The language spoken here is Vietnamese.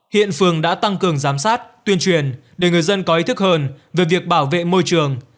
hiện phường đã tăng cường giám sát tuyên truyền để người dân có ý thức hơn về việc bảo vệ môi trường